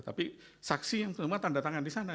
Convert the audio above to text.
tapi saksi yang semua tandatangan di sana